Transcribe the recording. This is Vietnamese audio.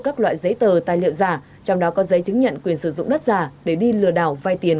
các loại giấy tờ tài liệu giả trong đó có giấy chứng nhận quyền sử dụng đất giả để đi lừa đảo vai tiền